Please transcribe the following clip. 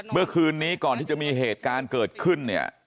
เมื่อคืนนี้ก่อนที่จะมีเหตุการณ์เกิดขึ้นเนี่ย